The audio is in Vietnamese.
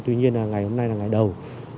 tuy nhiên là ngày hôm nay là ngày đầu